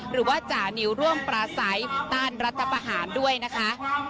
หรือว่าจานิวร่วมปราศัยต้านรัฐประหารด้วยนะคะ